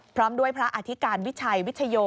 พร้อมด้วยพระอธิการวิชัยวิชโย